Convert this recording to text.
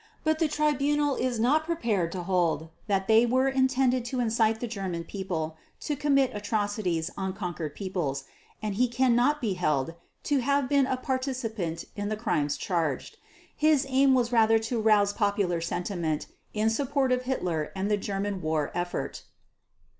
But the Tribunal is not prepared to hold that they were intended to incite the German People to commit atrocities on conquered peoples, and he cannot be held to have been a participant in the crimes charged. His aim was rather to arouse popular sentiment in support of Hitler and the German war effort.